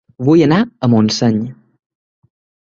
Vull anar a Montseny